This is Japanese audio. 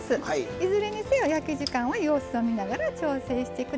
いずれにせよ焼き時間は様子を見ながら調整してください。